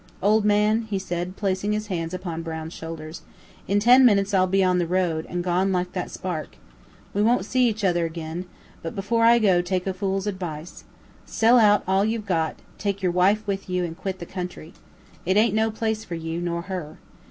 "Old man," he said, placing his hands upon Brown's shoulders, "in ten minutes I'll be on the road, and gone like that spark. We won't see each other agin; but, before I go, take a fool's advice: sell out all you've got, take your wife with you, and quit the country. It ain't no place for you, nor her.